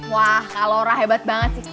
wah kak laura hebat banget sih